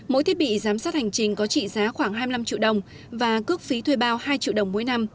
mỗi thiết bị giám sát hành trình có trị giá khoảng hai mươi năm triệu đồng và cước phí thuê bao hai triệu đồng mỗi năm